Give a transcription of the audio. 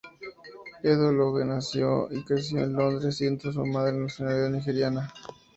Eddo-Lodge nació y creció en Londres, siendo su madre de nacionalidad nigeriana.